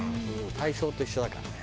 体操と一緒だからね。